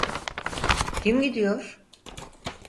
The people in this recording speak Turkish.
Kim gidiyor?